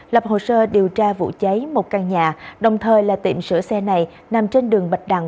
lập hồ sơ điều tra vụ cháy một căn nhà đồng thời là tiệm sửa xe này nằm trên đường bạch đăng